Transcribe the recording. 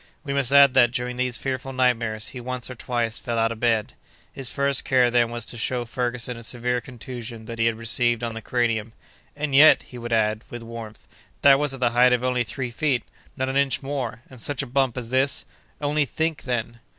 We must add that, during these fearful nightmares, he once or twice fell out of bed. His first care then was to show Ferguson a severe contusion that he had received on the cranium. "And yet," he would add, with warmth, "that was at the height of only three feet—not an inch more—and such a bump as this! Only think, then!"